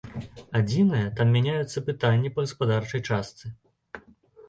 Адзінае, там мяняюцца пытанні па гаспадарчай частцы.